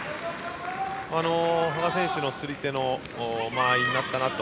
羽賀選手の釣り手の間合いになったなと。